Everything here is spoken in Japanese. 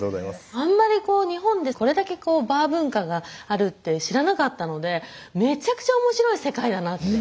あんまりこう日本でこれだけバー文化があるって知らなかったのでめちゃくちゃ面白い世界だなって。